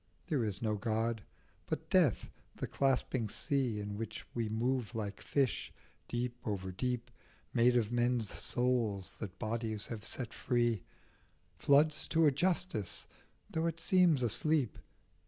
There is no God ; but death, the clasping sea, In which we move like fish, deep over deep, Made of men's souls that bodies have set free, Floods to a Justice though it seems asleep.